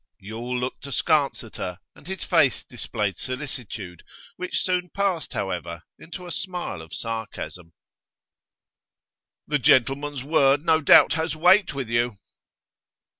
Yule looked askance at her, and his face displayed solicitude, which soon passed, however, into a smile of sarcasm. 'The gentleman's word no doubt has weight with you.